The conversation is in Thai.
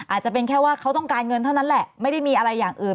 อาจจะเป็นแค่ว่าเขาต้องการเงินเท่านั้นแหละไม่ได้มีอะไรอย่างอื่น